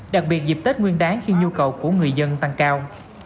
đặc biệt dịp tết nguyên đáng khi nhu cầu của người dân tăng cao